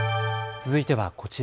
続いてはこちら。